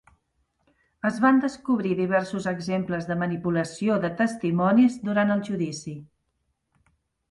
Es van descobrir diversos exemples de manipulació de testimonis durant el judici.